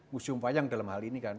museum panjang dalam hal ini kan